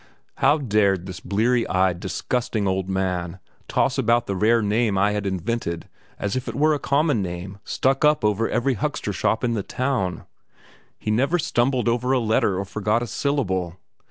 How dared this bleary eyed, disgusting old man toss about the rare name I had invented as if it were a common name stuck up over every huckster shop in the town? He never stumbled over a letter or forgot a syllable.